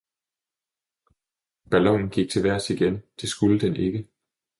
Ballonen gik til vejrs igen, det skulle den ikke.